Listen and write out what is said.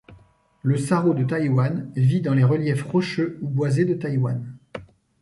Le saro de Taïwan vit dans les reliefs rocheux ou boisés de Taïwan.